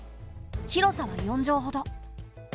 広さは４畳ほど。